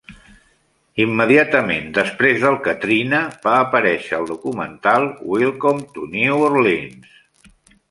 Immediatament després del Katrina, va aparèixer al documental "Welcome to New Orleans".